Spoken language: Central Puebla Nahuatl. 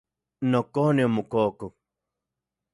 Nokone omokokok.